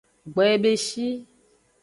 Gboyebeshi.